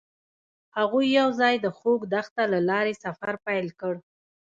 هغوی یوځای د خوږ دښته له لارې سفر پیل کړ.